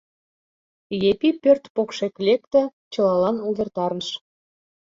Епи пӧрт покшек лекте, чылалан увертарыш: